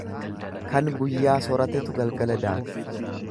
Kan guyyaa soratetu galgala daaka.